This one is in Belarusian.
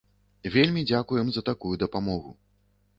Вельмі дзякуем ім за такую дапамогу!